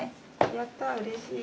やったうれしい。